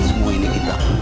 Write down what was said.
semua ini kita